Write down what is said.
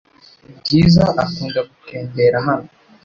Bwiza akunda gutembera hano .